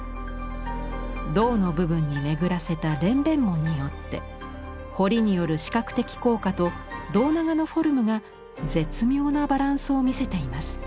胴の部分に巡らせた蓮弁文によって彫りによる視覚的効果と胴長のフォルムが絶妙なバランスを見せています。